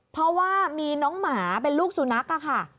เพราะว่ามีน้องหมาเป็นลูกสุนัขค่ะ